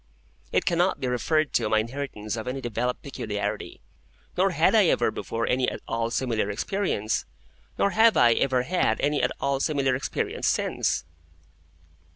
It cannot be referred to my inheritance of any developed peculiarity, nor had I ever before any at all similar experience, nor have I ever had any at all similar experience since.